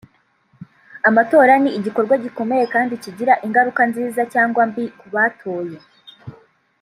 Amatora ni igikorwa gikomeye kandi kigira ingaruka nziza cyangwa mbi ku batoye